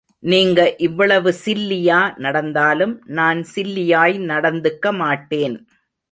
நீங்க இவ்வளவு சில்லியா நடந்தாலும், நான் சில்லியாய் நடந்துக்க மாட்டேன்.